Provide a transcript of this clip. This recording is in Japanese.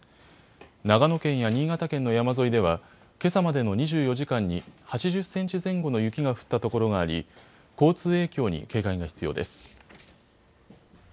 長野県や新潟県の山沿いでは、けさまでの２４時間に８０センチ前後の雪の降った所があり交通影響に警戒が必要です。